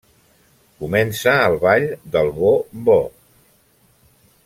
Comença el Ball del Bo-bo.